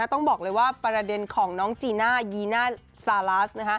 ต้องบอกเลยว่าประเด็นของน้องจีน่ายีน่าซาลาส